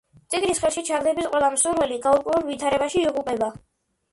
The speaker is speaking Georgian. წიგნის ხელში ჩაგდების ყველა მსურველი გაურკვეველ ვითარებაში იღუპება.